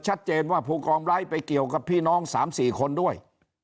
ชัดเจนว่าผู้กองร้ายไปเกี่ยวกับพี่น้อง๓๔คนด้วย